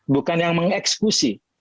bukan yang mengeksekusi